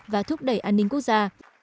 và thúc đẩy an ninh quốc gia